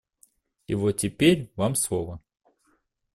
И вот теперь вам слово.